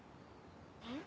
えっ。